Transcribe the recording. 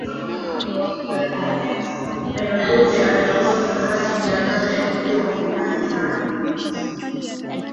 beno ndulu aliongoza hadi januari elfu mbili kumi na nane